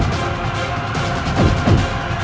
aku akan terus memburumu